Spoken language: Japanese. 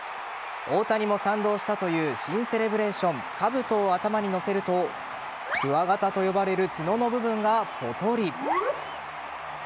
大谷も賛同したという新セレブレーション・かぶとを頭に乗せるとくわ形と呼ばれる角の部分がポトリ。